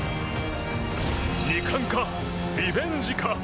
２冠か、リベンジか。